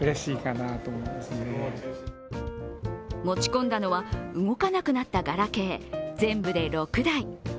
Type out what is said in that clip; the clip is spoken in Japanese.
持ち込んだのは動かなくなったガラケー、全部で６台。